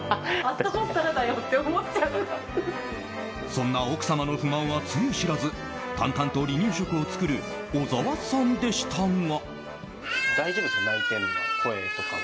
そんな奥様の不満は露知らず淡々と離乳食を作る小澤さんでしたが。